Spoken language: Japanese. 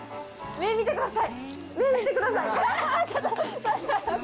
目見てください。